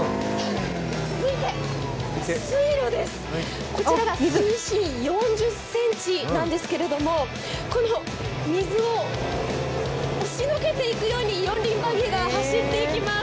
続いて、水路です、こちらが水深４０ｃｍなんですが、この水を押しのけていくように四輪バギーが走っていきます。